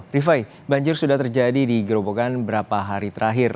rifai banjir sudah terjadi di gerobogan berapa hari terakhir